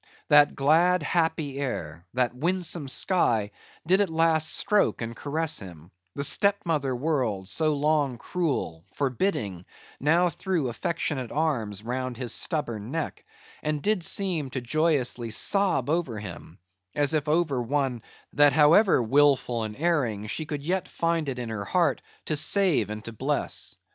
That glad, happy air, that winsome sky, did at last stroke and caress him; the step mother world, so long cruel—forbidding—now threw affectionate arms round his stubborn neck, and did seem to joyously sob over him, as if over one, that however wilful and erring, she could yet find it in her heart to save and to bless.